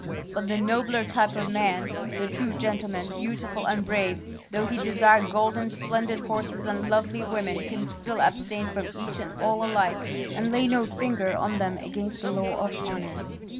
But the nobler type of man, the true gentleman, beautiful and brave, though he desire gold and splendid horses and lovely women, can still abstain from each and all alike, and lay no finger on them against the law of honour.